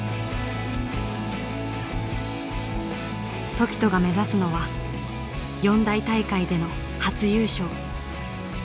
凱人が目指すのは四大大会での初優勝。